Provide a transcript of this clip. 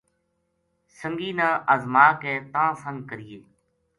سنگی نا ازما کے تاں سنگ کرینے